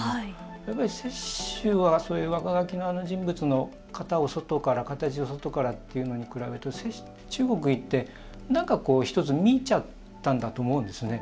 やっぱり雪舟はそういう若描きの人物の型を外から形を外からというのに比べると中国に行ってなんかこう１つ見ちゃったんだと思うんですね。